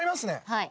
はい。